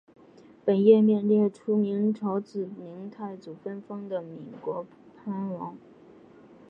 本页面列出明朝自明太祖分封的岷国藩王。